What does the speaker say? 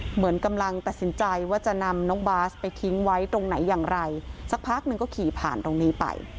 เหมือนกำลังตัดสินใจว่าจะนำน้องบาสไปทิ้งไว้ตรงไหนอย่างไรสักพักหนึ่งก็ขี่ผ่านตรงนี้ไป